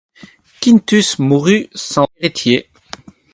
Quintus mourut sans héritier.